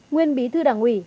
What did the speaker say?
nguyên bí thư đảng ủy